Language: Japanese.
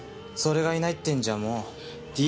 それがいないってんじゃもう。